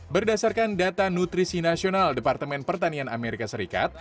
berdasarkan data nutrisi nasional departemen pertanian amerika serikat